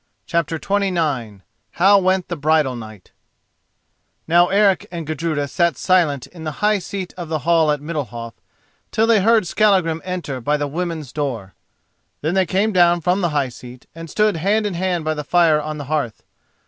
CHAPTER XXIX HOW WENT THE BRIDAL NIGHT Now Eric and Gudruda sat silent in the high seat of the hall at Middalhof till they heard Skallagrim enter by the women's door. Then they came down from the high seat, and stood hand in hand by the fire on the hearth.